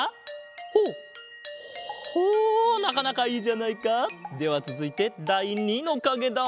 ほうほなかなかいいじゃないか！ではつづいてだい２のかげだ。